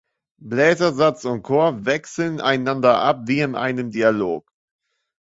Bläsersatz und Chor wechseln einander ab wie in einem Dialog.